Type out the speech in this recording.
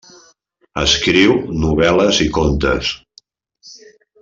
Escriu novel·les i contes.